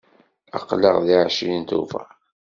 Aql-aɣ deg ɛecrin Tubeṛ.